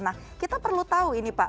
nah kita perlu tahu ini pak